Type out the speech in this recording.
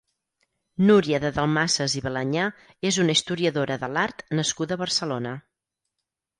Núria de Dalmases i Balañà és una historiadora de l'art nascuda a Barcelona.